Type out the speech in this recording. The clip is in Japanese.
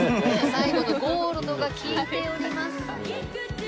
最後のゴールドが効いております。